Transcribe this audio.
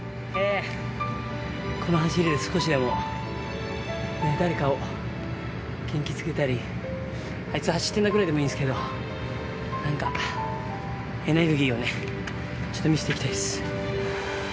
この走りで少しでも誰かを元気づけたり、あいつ走ってんなぐらいでもいいんですけど、なんかエネルギーをね、ちょっと見せていきたいです。